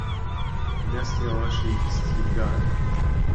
دەستی ڕەشی ئیستیبداد